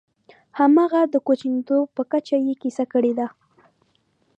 همغه د کوچنیتوب په کچه یې کیسه کړې ده.